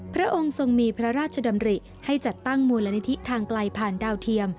พระองค์ทรงมีพระราชดำริให้จัดตั้งมูลนิธิทางไกลผ่านดาวเทียม